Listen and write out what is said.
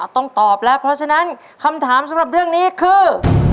ต้องตอบแล้วเพราะฉะนั้นคำถามสำหรับเรื่องนี้คือ